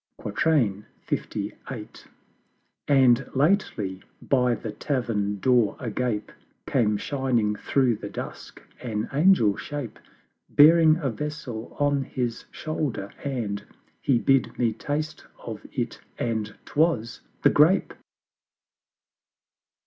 LVIII. And lately, by the Tavern Door agape, Came shining through the Dusk an Angel Shape Bearing a Vessel on his Shoulder; and He bid me taste of it; and 'twas the Grape!